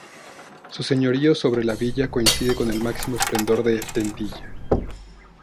Su señorío sobre la villa coincide con el máximo esplendor de Tendilla.